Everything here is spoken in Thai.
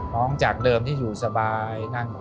น้องจากเดิมที่อยู่สบายนั่งกิน